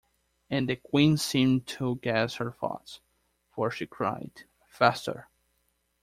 And the Queen seemed to guess her thoughts, for she cried, ‘Faster!’